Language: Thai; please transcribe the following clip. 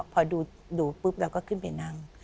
พอดูดูปุ๊บแล้วก็ขึ้นไปนั่ง